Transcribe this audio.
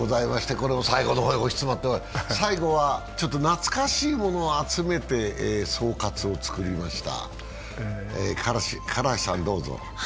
暮れも最後押し詰まってきましたが最後は懐かしいものを集めて総喝を作りました。